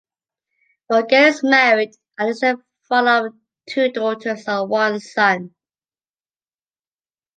Vogel is married and is the father of two daughters and one son.